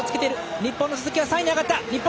日本の鈴木、３位に上がった。